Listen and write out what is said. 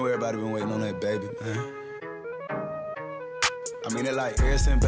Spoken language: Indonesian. selagi messi masih ada mah barcelona